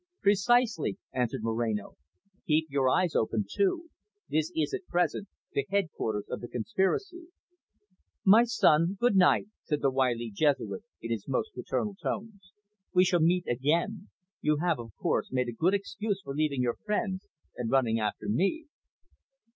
"Precisely," answered Moreno. "Keep your eyes open too. This is, at present, the headquarters of the conspiracy." "My son, good night," said the wily Jesuit in his most paternal tones. "We shall meet again. You have, of course, made a good excuse for leaving your friends, and running after me."